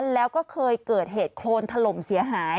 แล้วก็เคยเกิดเหตุโครนถล่มเสียหาย